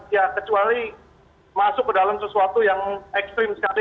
ya kecuali masuk ke dalam sesuatu yang ekstrim sekali